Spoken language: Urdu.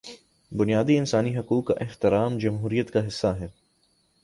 بنیادی انسانی حقوق کا احترام جمہوریت کا حصہ ہے۔